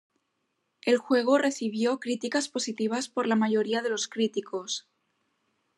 El juego recibió críticas positivas por la mayoría de los críticos.